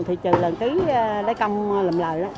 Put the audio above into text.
thì trừ lần một cây lấy công lầm lời